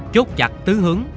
chốt chặt tứ hướng